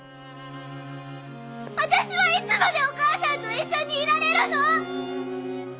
私はいつまでお母さんと一緒にいられるの⁉